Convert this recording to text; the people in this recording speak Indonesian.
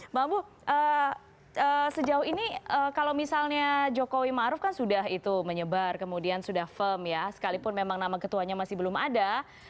mbak abu sejauh ini kalau misalnya jokowi maruf kan sudah itu menyebar kemudian sudah firm ya sekalipun memang nama ketuanya masih belum ada